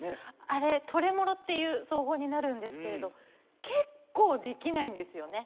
あれトレモロっていう奏法になるんですけれど結構できないんですよね。